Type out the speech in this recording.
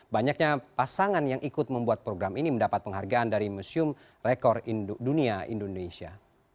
banyaknya pasangan yang ikut membuat program ini mendapat penghargaan dari museum rekor dunia indonesia